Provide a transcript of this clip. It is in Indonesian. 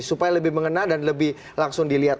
supaya lebih mengena dan lebih langsung dilihat